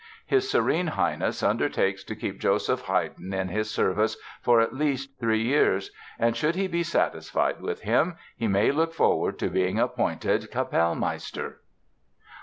"His Serene Highness undertakes to keep Joseph Heyden in his service for at least three years; and should he be satisfied with him, he may look forward to being appointed Capellmeister...."